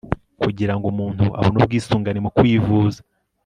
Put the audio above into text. kugira ngo umuntu abone ubwisungane mu ukwivuza